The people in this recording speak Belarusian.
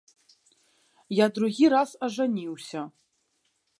Я другі раз ажаніўся.